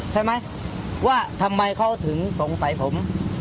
ใช่ไหมว่าทำไมเขาถึงสงสัยผม